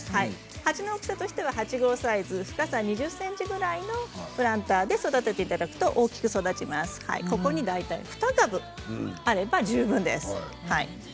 鉢の大きさとしては８号サイズ深さ２０ｃｍくらいのプランターで育てていただくと大きく育ちます。